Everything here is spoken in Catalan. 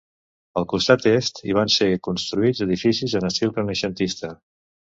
Al costat est hi van ser construïts edificis en estil renaixentista.